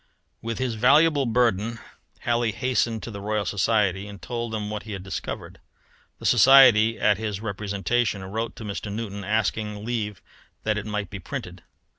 With his valuable burden Halley hastened to the Royal Society and told them what he had discovered. The Society at his representation wrote to Mr. Newton asking leave that it might be printed.